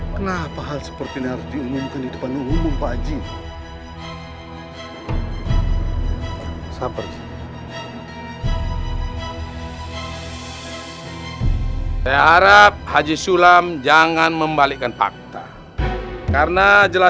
kenapa hal seperti ini harus diumumkan di depan umum pak haji sulam